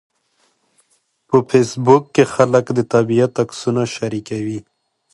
په فېسبوک کې خلک د طبیعت عکسونه شریکوي